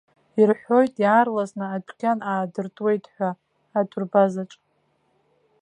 Ирҳәоит, иаарласны адәқьан аадыртуеит ҳәа атурбазаҿ.